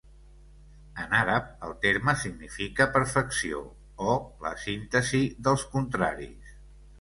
En àrab, el terme significa "perfecció" o "la síntesi dels contraris".